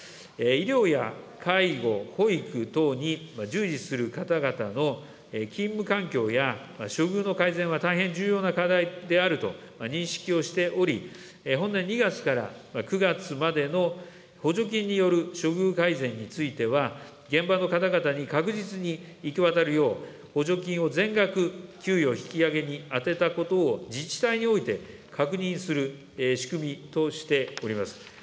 医療や介護、保育等に従事する方々の勤務環境や処遇の改善は大変重要な課題であると認識をしており、本年２月から９月までの補助金による処遇改善については、現場の方々に確実に行き渡るよう、補助金を全額給与引き上げに充てたことを自治体において確認する仕組みとしております。